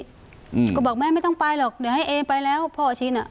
อืมก็บอกแม่ไม่ต้องไปหรอกเดี๋ยวให้เอไปแล้วพ่อชินอ่ะ